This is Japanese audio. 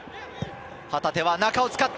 旗手は中を使った！